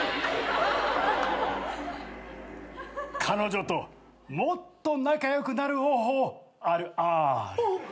彼女ともっと仲良くなる方法あるあーる。